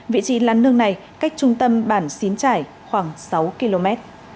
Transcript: vị trí lán nương này cách trung tâm bản xín trải khoảng sáu km